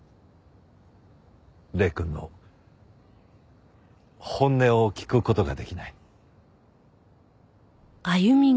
礼くんの本音を聞く事ができない。